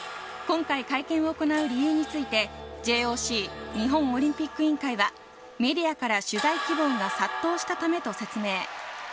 今回会見を行う理由について、ＪＯＣ・日本オリンピック委員会は、メディアから取材希望が殺到したためと説明。